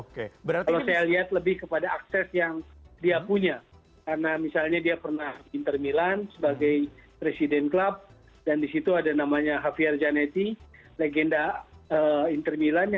kalau saya lihat lebih kepada akses yang dia punya karena misalnya dia pernah inter milan sebagai presiden klub dan di situ ada namanya haviar janety legenda inter milan